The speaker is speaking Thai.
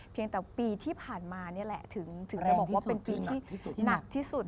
เพียงแต่ปีที่ผ่านมานี่แหละถึงจะบอกว่าเป็นปีที่หนักที่สุด